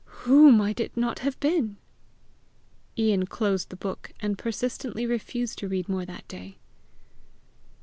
Who might it not have been!" Ian closed the book, and persistently refused to read more that day.